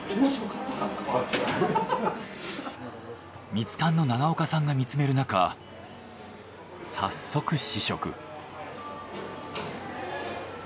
ミツカンの長岡さんが見つめるなか早速試食。